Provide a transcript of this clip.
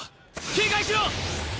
警戒しろ！